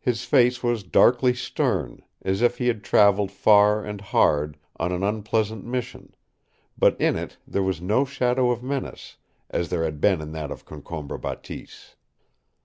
His face was darkly stern, as if he had traveled far and hard on an unpleasant mission, but in it there was no shadow of menace, as there had been in that of Concombre Bateese.